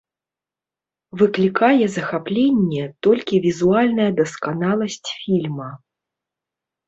Выклікае захапленне толькі візуальная дасканаласць фільма.